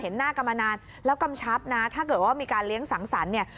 หน้ากันมานานแล้วกำชับนะถ้าเกิดว่ามีการเลี้ยงสังสรรค์เนี่ย